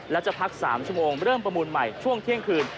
และจะพัก๓ชั่วโมงเริ่มประมูลใหม่ช่วงเที่ยงคืน